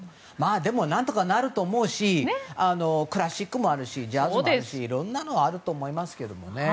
でも、何とかなると思うしクラシックもあるしジャズもあるしいろんながあると思いますけど。